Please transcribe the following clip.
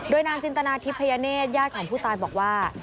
โดยนานจินตนาทิพย์พยาเนสญาติของผู้ตายบอกว่า